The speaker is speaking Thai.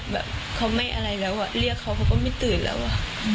แบบเขาไม่อะไรแล้วเรียกเขาเขาก็ไม่ตื่นแล้ว